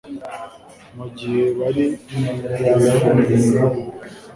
mu gihe bari bagifungura